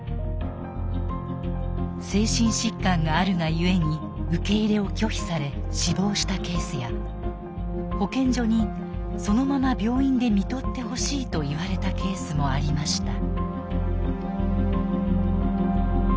精神疾患があるがゆえに受け入れを拒否され死亡したケースや保健所にそのまま病院で看取ってほしいと言われたケースもありました。